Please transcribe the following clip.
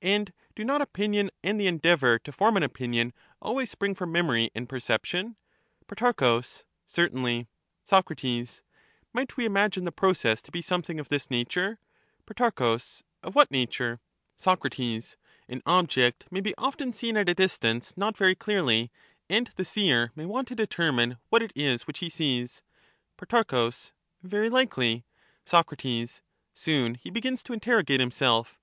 And do not opinion and the endeavour to form an Opinions opinion always spring from memory and perception ? spring from Pro. Certainly. andper Soc. Might we imagine the process to be something of this caption, nature ? Pro. Of what nature ? Soc. An object may be often seen at a distance not very clearly, and the seer may want to determine what it is which he sees. Pro. Very likely. Soc. Soon he begins to interrogate himself.